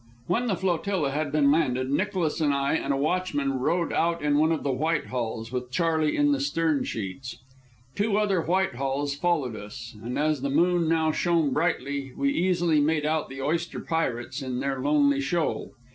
When the flotilla had been landed, Nicholas and I and a watchman rowed out in one of the Whitehalls, with Charley in the stern sheets. Two other Whitehalls followed us, and as the moon now shone brightly, we easily made out the oyster pirates on their lonely shoal.